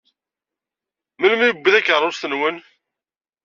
Melmi i wwin takeṛṛust-nwen?